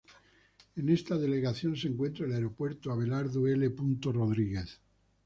En esta delegación se encuentra el Aeropuerto Abelardo L. Rodríguez.